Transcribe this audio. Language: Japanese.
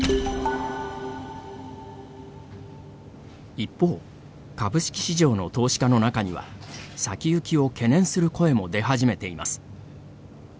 一方、株式市場の投資家の中には先行きを懸念する声も出始めています。